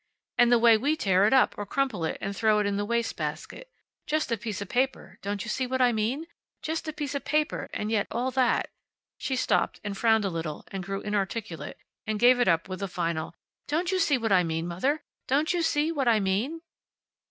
And the way we tear it up, or crumple it, and throw it in the waste basket. Just a piece of paper, don't you see what I mean? Just a piece of paper, and yet all that " she stopped and frowned a little, and grew inarticulate, and gave it up with a final, "Don't you see what I mean, Mother? Don't you see what I mean?"